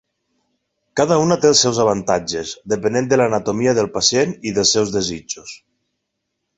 Cada una té els seus avantatges, depenent de l'anatomia del pacient i dels seus desitjos.